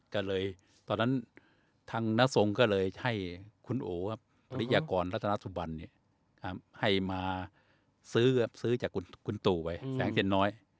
ก็เลยตอนนั้นทางน้าทรงก็เลยให้คุณโอครับปริยากรรัตนสุบันให้มาซื้อจากคุณตู่ไปแสงเทียนน้อย